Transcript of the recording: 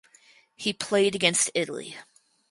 He played against Italy.